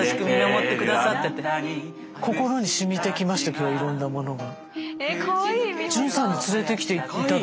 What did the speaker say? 今日いろんなものが。